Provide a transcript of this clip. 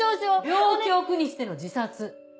病気を苦にしての自殺。